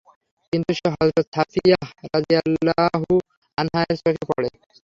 কিন্তু সে হযরত সাফিয়্যাহ রাযিয়াল্লাহু আনহা-এর চোখে পড়ে যায়।